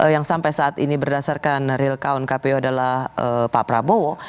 yang sampai saat ini berdasarkan real count kpu adalah pak prabowo